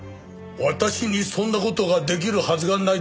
私にそんな事が出来るはずがないでしょう。